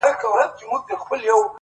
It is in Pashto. • زورور غل په خپل کلي کي غلا نه کوي ,